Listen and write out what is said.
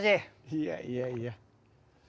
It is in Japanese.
いやいやいや。